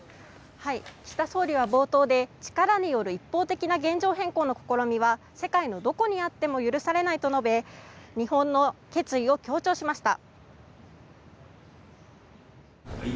岸田総理は冒頭で力による一方的な現状変更の試みは世界のどこにあっても許されないと述べ日本の決意を強調しました。